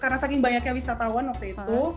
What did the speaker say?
karena saking banyaknya wisatawan waktu itu